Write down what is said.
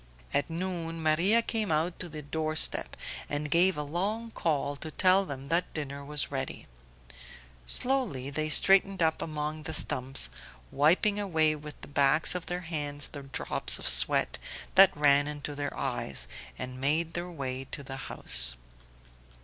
At noon Maria came out to the door step and gave a long call to tell them that dinner was ready. Slowly they straightened up among the stumps, wiping away with the backs of their hands the drops of sweat that ran into their eyes, and made their way to the house.